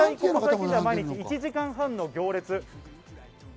毎日１時間半の行列。